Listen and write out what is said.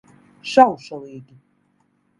Šaušalīgi.